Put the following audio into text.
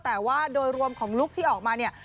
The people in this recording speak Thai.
แต่ว่าโดยรวมของลุคที่ออกมาเนี่ย